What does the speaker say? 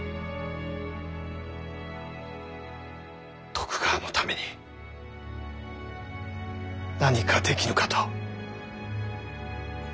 徳川のために何かできぬかと。